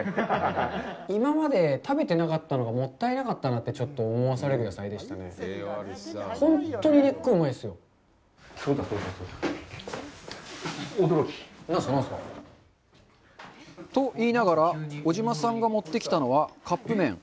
今まで食べてなかったのがもったいなかったなってちょっと思わされる野菜でしたね。と言いながら、小島さんが持ってきたのはカップ麺。